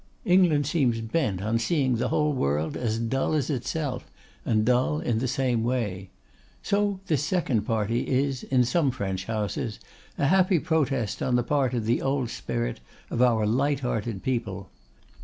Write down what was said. England seems bent on seeing the whole world as dull as itself, and dull in the same way. So this second party is, in some French houses, a happy protest on the part of the old spirit of our light hearted people.